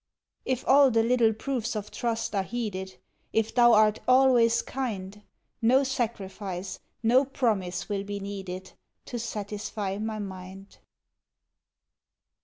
If all the little proofs of trust are heeded, If thou art always kind, No sacrifice, no promise will be needed To satisfy my mind.